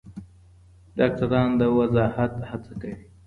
ډاکتران د وضاحت هڅه کوي.